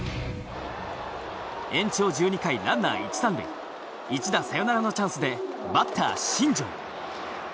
延長１２回ランナー一三塁１打サヨナラのチャンスでバッター新庄。